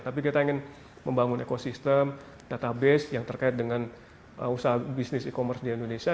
tapi kita ingin membangun ekosistem database yang terkait dengan usaha bisnis e commerce di indonesia